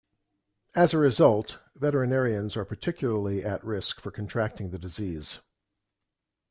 As a result, veterinarians are particularly at risk for contracting the disease.